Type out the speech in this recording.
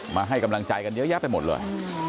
มาให้กำลังใจกันเยอะแยะไปหมดเลย